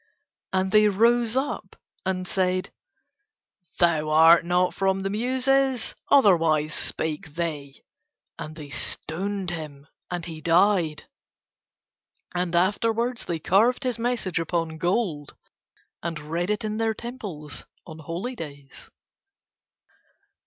And they rose up and said: "Thou art not from the Muses. Otherwise spake they." And they stoned him and he died. And afterwards they carved his message upon gold; and read it in their temples on holy days.